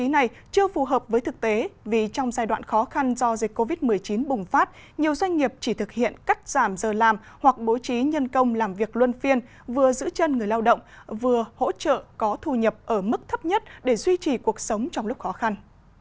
nhiều doanh nghiệp chỉ thực hiện cắt giảm giờ làm hoặc bố trí nhân công làm việc luân phiên vừa giữ chân người lao động vừa hỗ trợ có thu nhập ở mức thấp nhất để duy trì cuộc sống trong lúc khó khăn